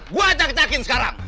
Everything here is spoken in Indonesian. gue acak acakin sekarang